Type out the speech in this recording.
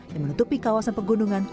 yang menutupi kawasan pegunungan